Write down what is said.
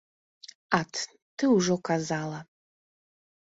Ат, ты ўжо казала!